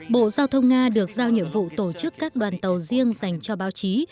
bộ giao thông nga được giao nhiệm vụ tổ chức các đoàn tàu riêng dành cho báo chí